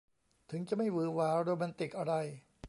ถึงจะไม่หวือหวาโรแมนติกอะไร